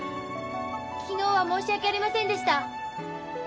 昨日は申し訳ありませんでした。